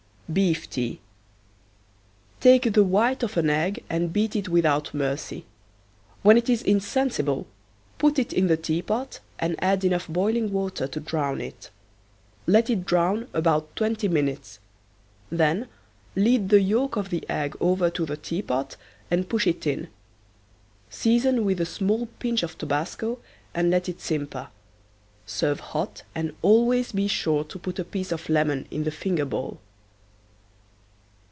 BEEF TEA. Take the white of an egg and beat it without mercy. When it is insensible put it in the teapot and add enough boiling water to drown it. Let it drown about twenty minutes. Then lead the yolk of the egg over to the teapot and push it in. Season with a small pinch of tobasco and let it simper. Serve hot and always be sure to put a piece of lemon in the finger bowl.